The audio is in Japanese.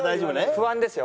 不安ですよ